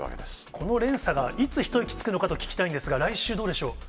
この連鎖がいつ一息つくのかと聞きたいんですが、来週、どうでしょう。